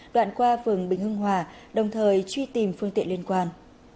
đoạn qua phường bình hưng hòa đồng thời truy tìm phương tiện liên quan